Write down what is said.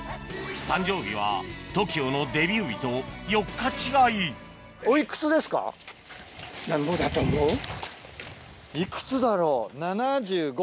誕生日はＴＯＫＩＯのデビュー日と４日違いいくつだろう？